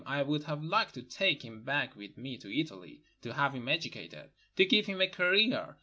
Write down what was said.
I would have liked to take him back with me to Italy, to have him educated, to give him a career.